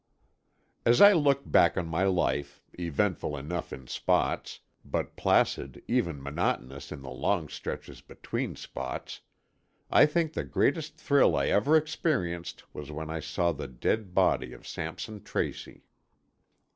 As I look back on my life, eventful enough in spots, but placid, even monotonous in the long stretches between spots, I think the greatest thrill I ever experienced was when I saw the dead body of Sampson Tracy.